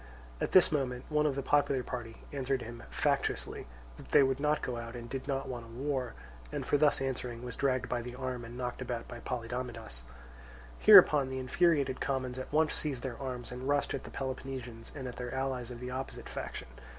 At this moment one of the popular party answered him factiously that they would not go out and did not want a war, and for thus answering was dragged by the arm and knocked about by Polydamidas. Hereupon the infuriated commons at once seized their arms and rushed at the Peloponnesians and at their allies of the opposite faction.